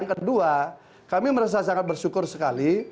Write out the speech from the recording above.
yang kedua kami merasa sangat bersyukur sekali